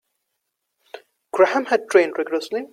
Graham had trained rigourously.